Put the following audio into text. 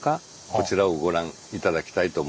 こちらをご覧頂きたいと思います。